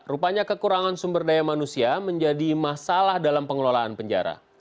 rupanya kekurangan sumber daya manusia menjadi masalah dalam pengelolaan penjara